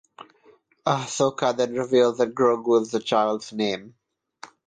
Ahsoka then reveals that Grogu is the Child’s name.